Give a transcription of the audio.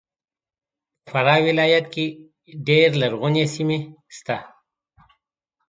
په فراه ولایت کې ډېر لرغونې سیمې سته